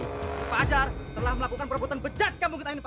pak ajar telah melakukan perbuatan bejat kampung kita ini pak